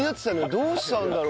どうしたんだろうな？